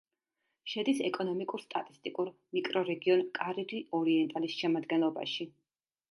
შედის ეკონომიკურ-სტატისტიკურ მიკრორეგიონ კარირი-ორიენტალის შემადგენლობაში.